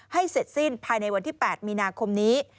เสร็จสิ้นภายในวันที่๘มีนาคมนี้